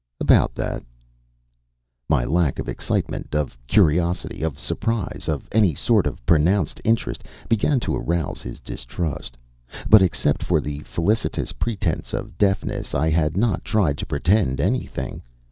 "About that." My lack of excitement, of curiosity, of surprise, of any sort of pronounced interest, began to arouse his distrust. But except for the felicitous pretense of deafness I had not tried to pretend anything.